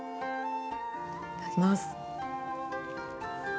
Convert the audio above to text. いただきます。